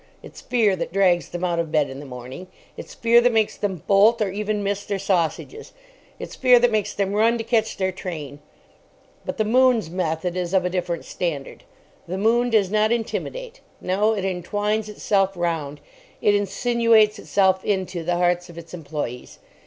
It's fear that drags them out of bed in the morning; it's fear that makes them bolt, or even miss, their sausages; it's fear that makes them run to catch their train. But the "Moon's" method is of a different standard. The "Moon" does not intimidate; no, it entwines itself round, it insinuates itself into, the hearts of its employees.